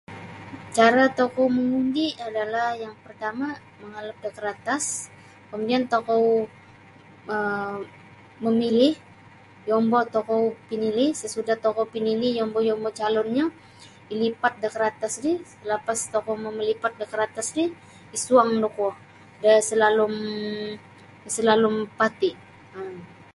Cara tokou mangundi' adalah yang partama' mangalap da karatas kamudian tokou um memilih yombo' tokou pinilih sasudah tokou pinilih yombo'-yombo' calunnyo ilipat da karatas ri lapas tokou mamalipat da karatas ti isuang da kuo da salalum da salalum pati' um.